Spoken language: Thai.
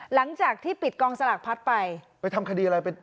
หลังจากที่ปิดกองสลากพัดไปไปทำคดีอะไรเป็น